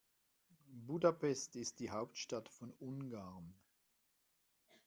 Budapest ist die Hauptstadt von Ungarn.